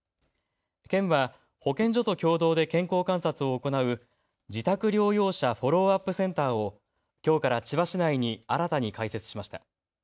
県は保健所と共同で健康観察を行う自宅療養者フォローアップセンターをきょうから千葉市内に新たに開設しました。